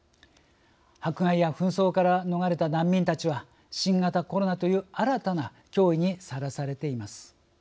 迫害や紛争から逃れた難民たちは新型コロナという新たな脅威にさらされています。